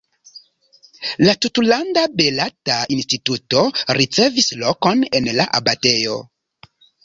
La Tutlanda Baleta Instituto ricevis lokon en la abatejo.